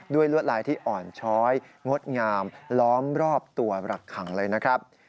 ลวดลายที่อ่อนช้อยงดงามล้อมรอบตัวรักขังเลยนะครับ